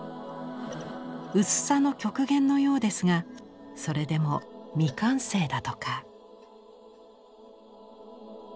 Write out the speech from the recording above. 薄さの極限のようですがそれでも未完成だとか。